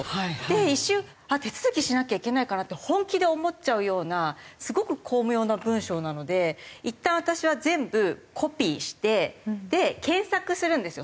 一瞬手続きしなきゃいけないかなって本気で思っちゃうようなすごく巧妙な文章なのでいったん私は全部コピーして検索するんですよ